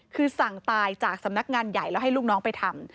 คือสั่งตายจากสำนักงานใหญ่แล้วให้ลูกน้องไปทำ